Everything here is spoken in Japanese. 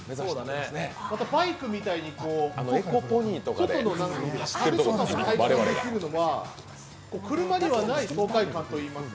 また、バイクみたいに外の風とかも体感できるのは爽快感といいますか。